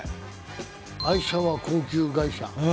愛車は高級外車。